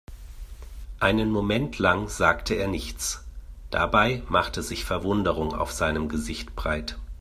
Einen Moment lang sagte er nichts, dabei machte sich Verwunderung auf seinem Gesicht breit.